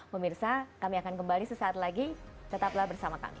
pemirsa kami akan kembali sesaat lagi tetaplah bersama kami